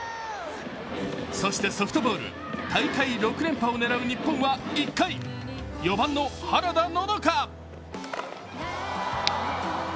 そしてソフトボール大会６連覇を狙う日本は２回４番の原田のどか。